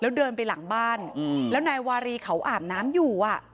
แล้วเดินไปหลังบ้านแล้วนายวารีเขาอาบน้ำอยู่อ่ะ